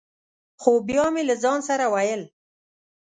خو بیا مې له ځان سره ویل: